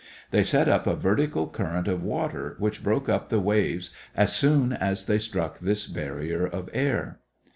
They set up a vertical current of water which broke up the waves as soon as they struck this barrier of air.